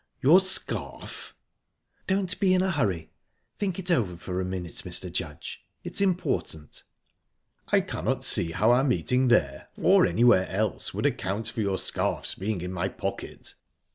"Your scarf?" "Don't be in a hurry. Think it over for a minute, Mr. Judge. It's important." "I cannot see how our meeting there, or anywhere else, would account for your scarf's being in my pocket."